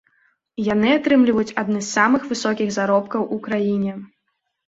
Яны атрымліваюць адны з самых высокіх заробкаў у краіне.